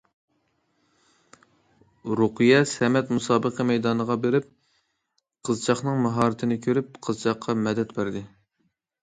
رۇقىيە سەمەت مۇسابىقە مەيدانىغا بېرىپ، قىزچاقنىڭ ماھارىتىنى كۆرۈپ، قىزچاققا مەدەت بەردى.